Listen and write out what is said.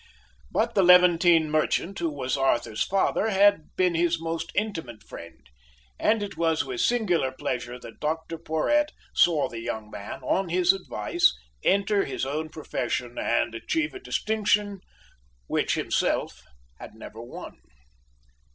But the Levantine merchant who was Arthur's father had been his most intimate friend, and it was with singular pleasure that Dr Porhoët saw the young man, on his advice, enter his own profession and achieve a distinction which himself had never won.